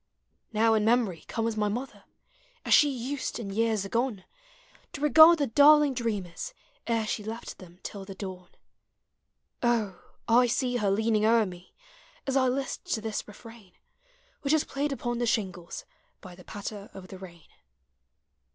Now in memory comes my mother, As she used, in years agone, To regard the darling dreamers Ere she left them till the dawn: O ! I see her leaning o'er me. As I list to this refrain Which is played upon the shingles U\ the patter of the rain.